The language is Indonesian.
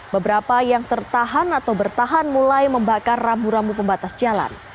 beberapa yang tertahan atau bertahan mulai membakar rambu rambu pembatas jalan